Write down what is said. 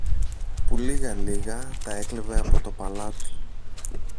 που λίγα-λίγα τα έκλεβε από το παλάτι.